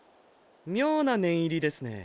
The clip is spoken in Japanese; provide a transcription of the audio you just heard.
妙な念入りですね。